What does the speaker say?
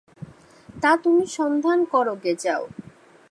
তা, তুমি সন্ধান করো গে যাও।